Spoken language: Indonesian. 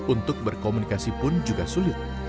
untuk berkomunikasi pun juga sulit